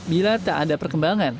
bila tak ada perkembangan